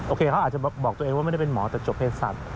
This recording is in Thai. โคเขาอาจจะบอกตัวเองว่าไม่ได้เป็นหมอแต่จบเพศศัตว